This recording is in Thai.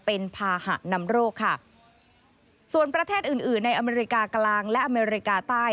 เป็นภาหะนำโรคค่ะส่วนประเทศอื่นอื่นในอเมริกากลางและอเมริกาใต้